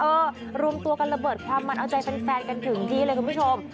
รวมตัวกันระเบิดความมันเอาใจแฟนกันถึงที่เลยคุณผู้ชม